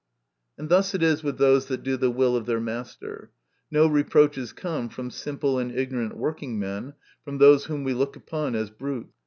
And thus it is with those that do the will of their master ; no reproaches come from simple and ignorant working men, from those whom we look upon as brutes.